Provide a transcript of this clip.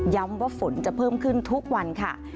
ว่าฝนจะเพิ่มขึ้นทุกวันค่ะ